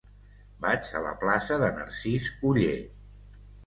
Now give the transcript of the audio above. Vaig a la plaça de Narcís Oller.